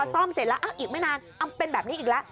ซ่อมเสร็จแล้วอีกไม่นานเป็นแบบนี้อีกแล้ว